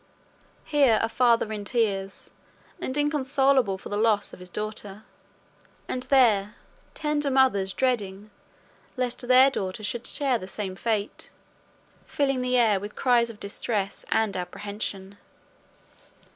Here, a father in tears, and inconsolable for the loss of his daughter; and there, tender mothers dreating lest their daughters should share the same fate, filling the air with cries of distress and apprehension.